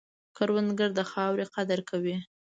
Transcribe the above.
کروندګر د خاورې قدر کوي